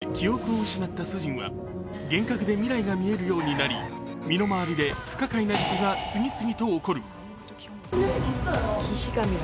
ある事故で記憶を失ったスジンは幻覚で未来が見えるようになり、身の回りで不可解な事故が次々と起こる。